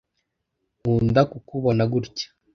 Nkunda kukubona gutya.